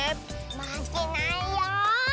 まけないよ。